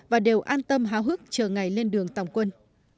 và đều an tâm háo hức chờ ngày lên đường tòng quân